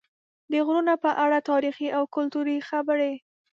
د غرونو په اړه تاریخي او کلتوري خبرې